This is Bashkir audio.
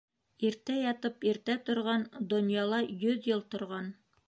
Иртә ятып иртә торған -Донъяла йөҙ йыл торған.